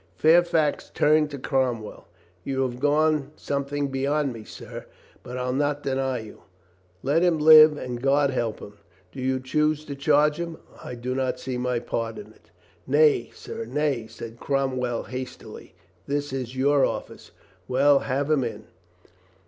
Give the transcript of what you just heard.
Fairfax turned to Cromwell. "You have gone something beyond me, sir, but I'll not deny you. Let him live and God help him. Do you choose to charge him? I do not see my part in it." "Nay, sir, nay," said Cromwell hastily; "this is your office." "Well. Have him in."